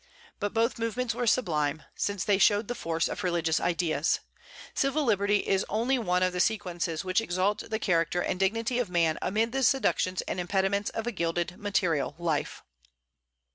But both movements were sublime, since they showed the force of religious ideas. Civil liberty is only one of the sequences which exalt the character and dignity of man amid the seductions and impediments of a gilded material life.